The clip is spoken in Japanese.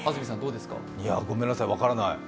ごめんなさい、分からない。